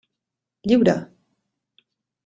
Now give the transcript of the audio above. Lliure!